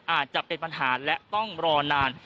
อาจจะเป็นปัญหาและต้องรอนาน